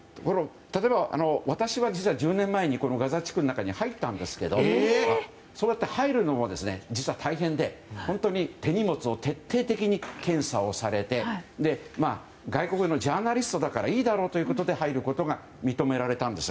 私は実は１０年前にガザ地区の中に入ったんですけどそうやって入るのも実は大変で本当に手荷物を徹底的に検査をされて外国のジャーナリストだからいいだろうということで入ることが認められたんです。